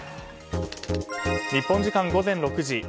日本時間午前６時。